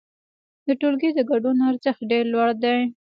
د ټولګي د ګډون ارزښت ډېر لوړ دی.